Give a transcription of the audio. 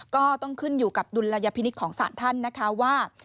ก็ต้องขึ้นอยู่กับดุลยพินิษฐ์ของสารท่านนะคะว่า